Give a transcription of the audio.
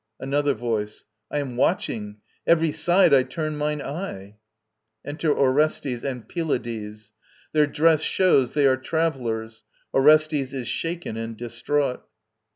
ANOTHER VOICE. I am watching. Every side I turn mine eye. (Enter ORESTES and PYLADES. Their dress shows fhey are travellers ORESTES is shaken and distraught.)